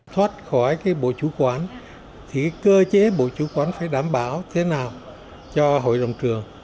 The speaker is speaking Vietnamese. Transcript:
thoát khỏi cái bộ chủ quản thì cơ chế bộ chủ quản phải đảm bảo thế nào cho hội đồng trường